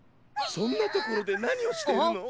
そんなところでなにをしてるの！